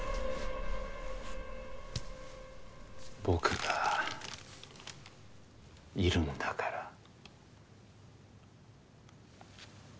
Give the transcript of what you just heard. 僕がいるんだから。